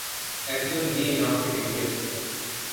একজন জিন আমাকে দেখিয়েছিল।